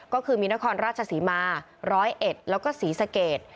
ก็คือมินครราชศรีมาร้อยเอ็ดแล้วก็ศรีสะเกด